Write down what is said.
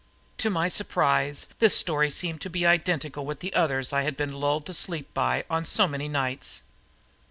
To my surprise this story seemed to be identical with the others I had been lulled to sleep by on so many nights.